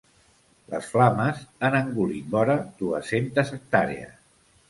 Les flames han engolit vora dues-centes hectàrees.